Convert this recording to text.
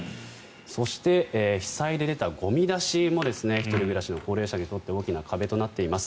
そして、被災で出たゴミ出しも１人暮らしの高齢者にとって大きな壁となっています。